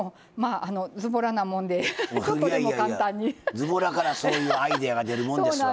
ずぼらからそういうアイデアが出るもんですわ。